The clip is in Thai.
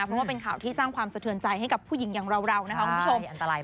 เพราะว่าเป็นข่าวที่สร้างความสะเทือนใจให้กับผู้หญิงอย่างเรานะคะคุณผู้ชม